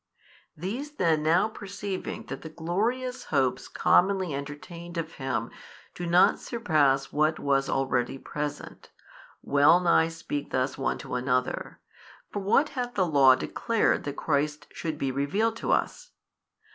These then now perceiving that the glorious hopes commonly entertained of Him do not surpass what was already present, well nigh speak thus one to another, For what hath the Law declared that Christ should be revealed to us?